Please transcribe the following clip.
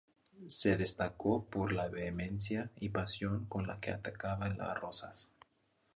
Se destacó por la vehemencia y pasión con la que atacaba a Rosas.